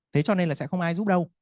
thế cho nên là sẽ không ai giúp đâu